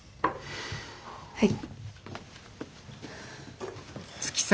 はい。